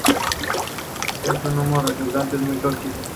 Este humo resultante es muy tóxico.